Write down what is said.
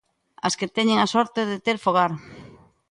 As que teñen a sorte de ter fogar.